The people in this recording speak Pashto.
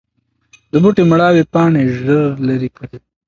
د بوټو مړاوې پاڼې ژر لرې کړئ.